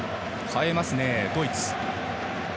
代えますね、ドイツ。